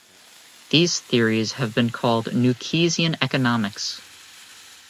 These theories have been called new Keynesian economics.